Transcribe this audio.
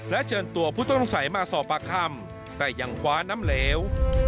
เชิญตัวผู้ต้องสัยมาสอบปากคำแต่ยังคว้าน้ำเหลว